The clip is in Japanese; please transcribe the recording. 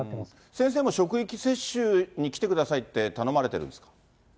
先生も職域接種に来てくださいって頼まれてるんですか。